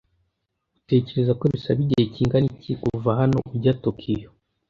Utekereza ko bisaba igihe kingana iki kuva hano ujya Tokiyo?